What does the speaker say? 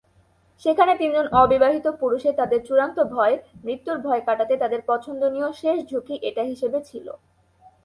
সেখানে তিনজন অবিবাহিত পুরুষের তাদের চূড়ান্ত ভয়, মৃত্যুর ভয় কাটাতে তাদের পছন্দনীয় শেষ ঝুকি এটি হিসেবে ছিল।